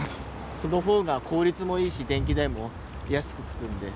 そのほうが効率もいいし、電気代も安くつくんで。